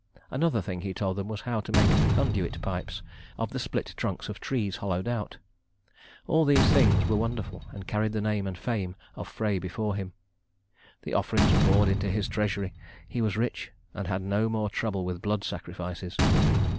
Another thing he told them was how to make conduit pipes of the split trunks of trees, hollowed out. All these things were wonderful, and carried the name and fame of Frey before him. The offerings poured into his treasury; he was rich, and had no more trouble with blood sacrifices.